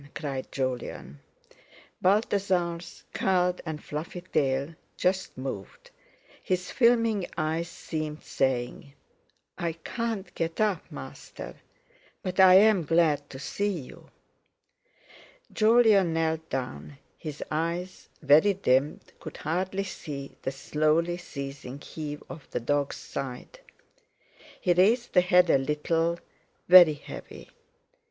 cried Jolyon. Balthasar's curled and fluffy tail just moved; his filming eyes seemed saying: "I can't get up, master, but I'm glad to see you." Jolyon knelt down; his eyes, very dimmed, could hardly see the slowly ceasing heave of the dog's side. He raised the head a little—very heavy.